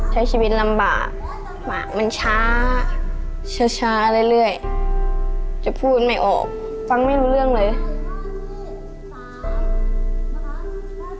ใช้ชีวิตลำบากมันช้าช้าเรื่อยจะพูดไม่ออกฟังไม่รู้เรื่องเลย